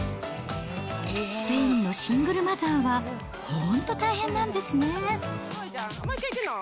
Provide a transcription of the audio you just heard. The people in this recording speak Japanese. スペインのシングルマザーは、ほんと、大変なんですね。